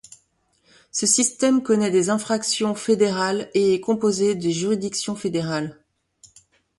Ce système connait des infractions fédérales et est composée des juridictions fédérales.